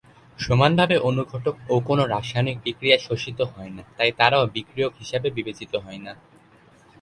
সমানভাবে অনুঘটক ও কোন রাসায়নিক বিক্রিয়ায় শোষিত হয়না তাই তারাও বিক্রিয়ক হিসাবে বিবেচিত হয়না।